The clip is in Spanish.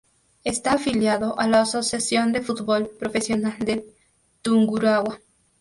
Está afiliado a la Asociación de Fútbol Profesional de Tungurahua.